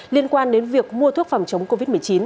liên quan đến việc mua thuốc phòng chống covid một mươi chín